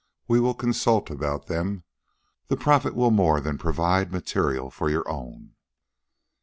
We will consult about them. The profit will more than provide material for your own."